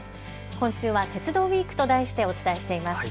今週は鉄道ウイークと題してお伝えしてます。